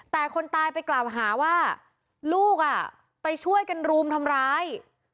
แต่คนตายไปกล่าวหาว่าลูกไปช่วยกันรุมทำร้าย